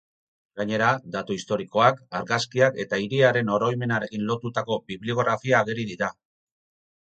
Gainera, datu historikoak, argazkiak eta hiriaren oroimenarekin lotutako bibliografia ageri dira.